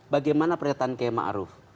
bagaimana pernyataan ki haji maruf